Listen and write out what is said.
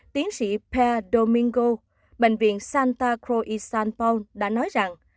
tiến sĩ per domingo bệnh viện santa cruz san paul đã nói rằng